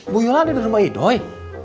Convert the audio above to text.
bu yola ada di rumah idoi